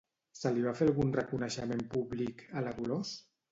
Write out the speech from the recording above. Se li va fer algun reconeixement públic, a la Dolors?